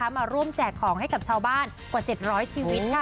มาร่วมแจกของให้กับชาวบ้านกว่า๗๐๐ชีวิต